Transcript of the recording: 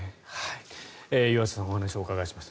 湯浅さんにお話をお伺いしました。